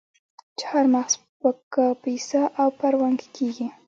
چهارمغز په کاپیسا او پروان کې کیږي.